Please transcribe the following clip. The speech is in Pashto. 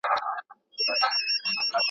ښه خلکو ته باید د درناوي په سترګه وکتل شي.